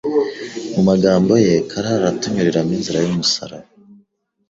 Mu magambo ye, Clara aratunyuriramo inzira y’umusaraba